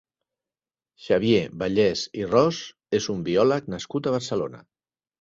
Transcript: Xavier Bellés i Ros és un biòleg nascut a Barcelona.